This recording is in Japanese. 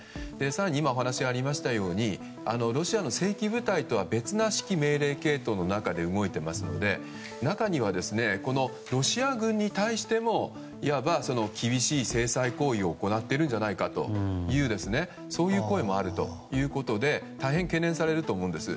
更に今お話がありましたようにロシアの正規部隊とは別の指揮命令系統で動いていますので中にはこのロシア軍に対してもいわば厳しい制裁行為を行っているんじゃないかという声もあるということで大変、懸念されると思うんです。